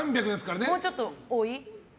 もうちょっと多い？